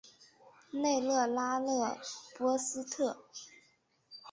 内勒拉勒波斯特。